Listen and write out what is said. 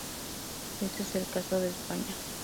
Ese es el caso de España.